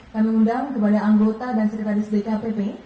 kami undang kepada anggota dan sekretaris bkpp